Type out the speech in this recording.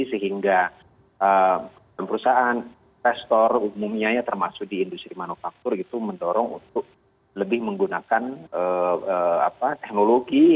sehingga perusahaan investor umumnya ya termasuk di industri manufaktur itu mendorong untuk lebih menggunakan teknologi